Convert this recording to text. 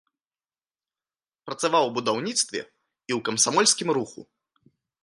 Працаваў у будаўніцтве і ў камсамольскім руху.